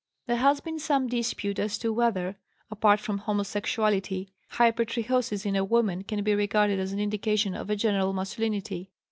There has been some dispute as to whether, apart from homosexuality, hypertrichosis in a woman can be regarded as an indication of a general masculinity.